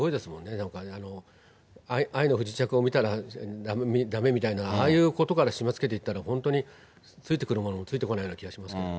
なんかね、愛の不時着を見たらだめみたいな、ああいうことから締めつけていったら、本当についてくるものもついてこないような気がしますけどね。